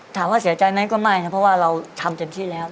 ถามว่าเสียใจไหมก็ไม่ครับเพราะว่าเราทำเต็มที่แล้ว